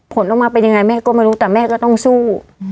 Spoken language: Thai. ผลออกมาเป็นยังไงแม่ก็ไม่รู้แต่แม่ก็ต้องสู้